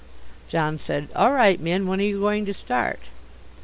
John said, "All right, Minn. When are you going to start?"